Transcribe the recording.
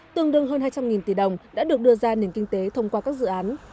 tương đương hơn hai trăm linh tỷ đồng đã được đưa ra nền kinh tế thông qua các dự án